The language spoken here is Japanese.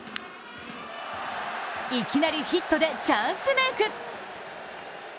いきなりヒットでチャンスメーク。